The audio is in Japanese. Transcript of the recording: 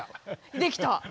できた。